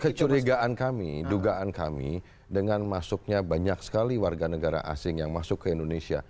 kecurigaan kami dugaan kami dengan masuknya banyak sekali warga negara asing yang masuk ke indonesia